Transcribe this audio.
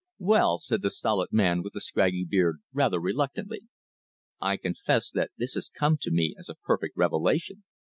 "Well," said the stolid man with the scraggy beard, rather reluctantly, "I confess that this has come to me as a perfect revelation."